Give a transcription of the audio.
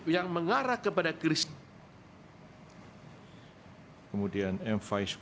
yang mengarah kepada krisis